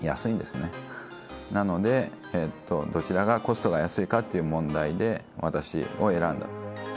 なのでどちらがコストが安いかっていう問題で私を選んだ。